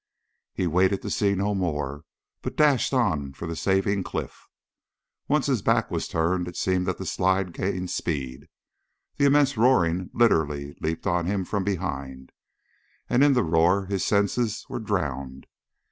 He waited to see no more, but dashed on for the saving cliff. Once his back was turned it seemed that the slide gained speed. The immense roaring literally leaped on him from behind, and in the roar, his senses were drowned.